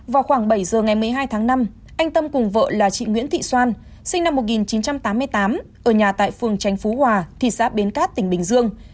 vào khoảng bảy giờ ngày một mươi hai tháng năm anh tâm cùng vợ là chị nguyễn thị xoan sinh năm một nghìn chín trăm tám mươi tám ở nhà tại phường tránh phú hòa thị xã bến cát tỉnh bình dương